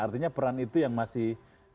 artinya peran itu yang masih